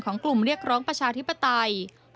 กลุ่มเรียกร้องประชาธิปไตย